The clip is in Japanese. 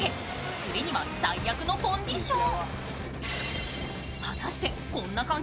釣りには最悪のコンディション。